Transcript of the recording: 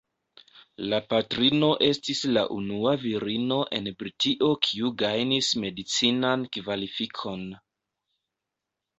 La patrino estis la unua virino en Britio kiu gajnis medicinan kvalifikon.